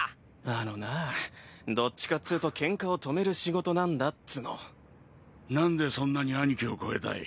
あのなどっちかっつぅとケンカを止める仕事なんだっつのなんでそんなに兄貴を超えたい？